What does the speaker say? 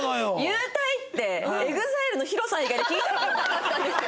勇退ってＥＸＩＬＥのＨＩＲＯさん以外聞いた事なかったんですよ。